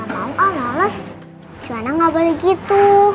juhana gak boleh gitu